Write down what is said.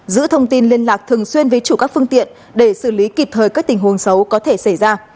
giữ thông tin liên lạc thường xuyên với chủ các phương tiện để xử lý kịp thời các tình huống xấu có thể xảy ra